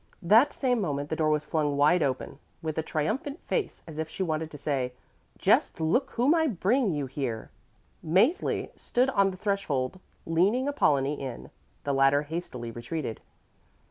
That same moment the door was flung wide open. With a triumphant face as if she wanted to say, "Just look whom I bring you here," Mäzli stood on the threshhold leading Apollonie in. The latter hastily retreated.